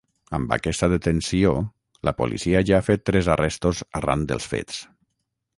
Amb aquesta detenció, la policia ja ha fet tres arrestos arran dels fets.